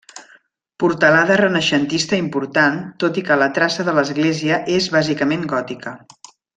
Portalada renaixentista important tot i que la traça de l'església és bàsicament gòtica.